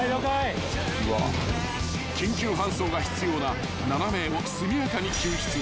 ［緊急搬送が必要な７名を速やかに救出］